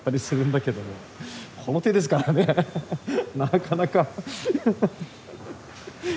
なかなか。